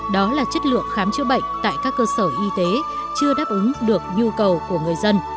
đó là chất lượng khám chữa bệnh tại các cơ sở y tế chưa đáp ứng được nhu cầu của người dân